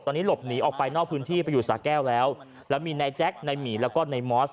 ตอนนี้หลบหนีออกไปนอกพื้นที่ไปอยู่สาแก้วแล้วแล้วมีนายแจ๊คในหมีแล้วก็ในมอส